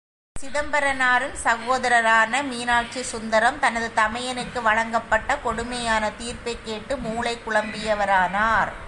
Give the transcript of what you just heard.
சிதம்பரனாரின் சகோதரரான மீனாட்சி சுந்தரம் தனது தமையனுக்கு வழங்கப்பட்ட கொடுமையான தீர்ப்பைக் கேட்டு மூளை குழம்பியவரானார்.